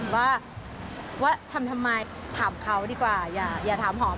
ว่าทำทำไมถามเขาดีกว่าอย่าถามหอม